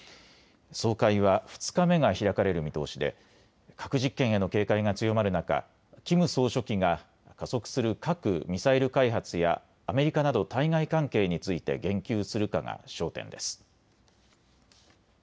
総会は２日目が開かれる見通しで核実験への警戒が強まる中、キム総書記が加速する核・ミサイル開発やアメリカなど対外関係について言及するかが焦点です。